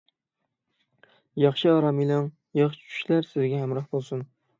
ياخشى ئارام ئېلىڭ، ياخشى چۈشلەر سىزگە ھەمراھ بولسۇن!